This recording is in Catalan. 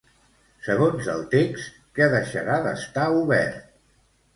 Segons el text, què deixarà d'estar obert?